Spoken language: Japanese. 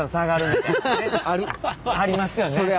ありますよね。